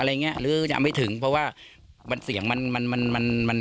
หรือจะไม่ถึงเพราะว่าเสียงมัน